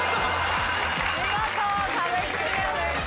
見事壁クリアです。